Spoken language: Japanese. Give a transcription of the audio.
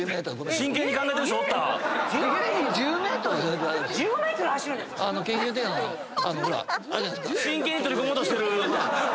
真剣に取り組もうとしてる。